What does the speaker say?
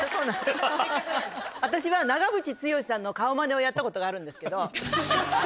私は長渕剛さんの顔マネをやってたことがあるんですけど。